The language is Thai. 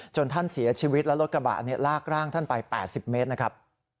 ท่านเสียชีวิตแล้วรถกระบะลากร่างท่านไป๘๐เมตรนะครับ